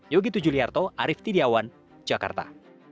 yogi tujuliarto arief tidiawan jakarta